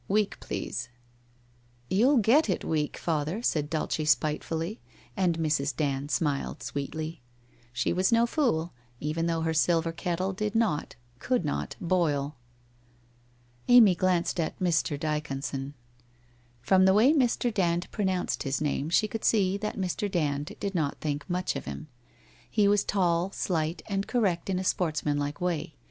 Weak, please.' WHITE ROSE OF WEARY LEAF 71 ' You'll get it weak, father,' said Dulce spitefully, and Mrs. Dand smiled sweetly. She was no fool, even though her silver kettle did not, could not boil. Amy glanced at Mr. Dyconson. From the way Mr. Dand pronounced his name she could see that Mr. Dand did not think much of him. He was tall, slight, and cor rect in a sportsmanlike way.